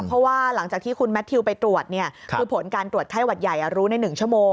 เพราะว่าหลังจากที่คุณแมททิวไปตรวจคือผลการตรวจไข้หวัดใหญ่รู้ใน๑ชั่วโมง